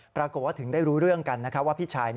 ปรากฏว่าถึงได้รู้เรื่องกันว่าพี่ชาย